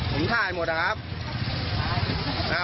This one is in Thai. ผมทายหมดแล้วครับทาย